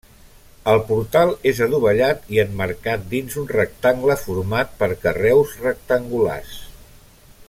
El portal és adovellat i emmarcat dins un rectangle format per carreus rectangulars.